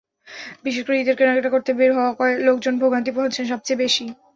বিশেষ করে ঈদের কেনাকাটা করতে বের হওয়া লোকজন ভোগান্তি পোহাচ্ছেন সবচেয়ে বেশি।